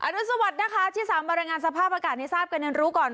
อรุณสวัสดิ์นะคะที่๓มรับงานสภาพอากาศในทราบกำเนินรู้ก่อน